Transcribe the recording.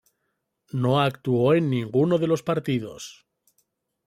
No actuó en ninguno de los partidos.